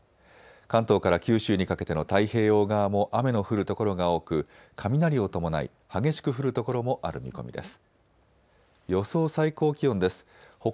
関東から九州にかけての太平洋側も雨の降る所が多く雷を伴い激しく降る所もある見込みです。